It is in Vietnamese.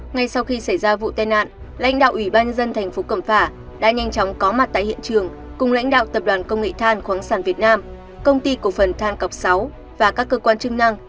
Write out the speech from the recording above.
ngay sau khi xảy ra vụ tai nạn lãnh đạo ủy ban nhân dân thành phố cẩm phả đã nhanh chóng có mặt tại hiện trường cùng lãnh đạo tập đoàn công nghệ than khoáng sản việt nam công ty cổ phần than cọc sáu và các cơ quan chức năng